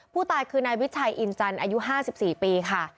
ผู้ตายคือนายวิชัยอินจันทร์อายุ๕๔ปีค่ะ